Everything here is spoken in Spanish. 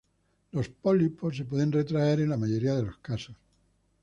Los pólipos se pueden retraer en la mayoría de los casos.